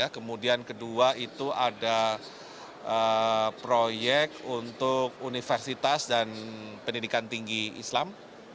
kemudian kedua itu ada proyek untuk universitas dan pendidikan tinggi islam